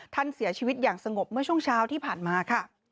ท่านเสียชีวิตอย่างสงบเมื่อช่วงเช้าที่ผ่านมาค่ะ